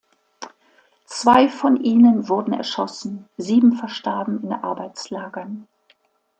Zwei von ihnen wurden erschossen, sieben verstarben in Arbeitslagern.